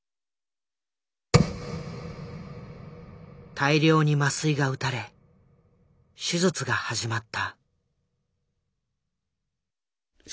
大量に麻酔が打たれ手術が始まった。